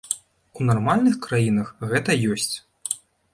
У нармальных краінах гэта ёсць.